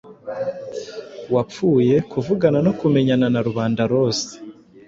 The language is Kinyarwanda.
wapfuye, kuvugana no kumenyana, narubanda rose